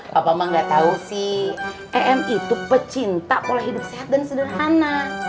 papa mah nggak tahu sih emi tuh pecinta pola hidup sehat dan sederhana